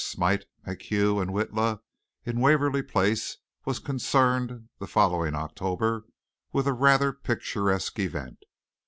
Smite, MacHugh and Witla in Waverley Place was concerned the following October with a rather picturesque event.